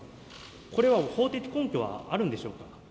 これは法的根拠はあるんでしょうか。